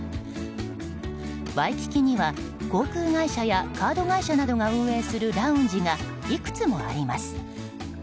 ワイキキには航空会社やカード会社などが運営するラウンジがいくつもあります。